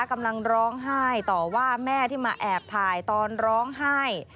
กำลังร้องไห้ต่อว่าแม่ที่มาแอบถ่ายตอนร้องไห้